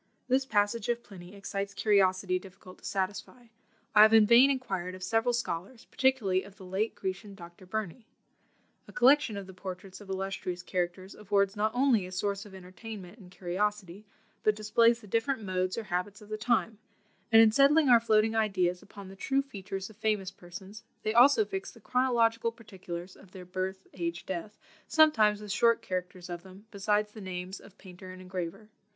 This passage of Pliny excites curiosity difficult to satisfy; I have in vain inquired of several scholars, particularly of the late Grecian, Dr. Burney. A collection of the portraits of illustrious characters affords not only a source of entertainment and curiosity, but displays the different modes or habits of the time; and in settling our floating ideas upon the true features of famous persons, they also fix the chronological particulars of their birth, age, death, sometimes with short characters of them, besides the names of painter and engraver.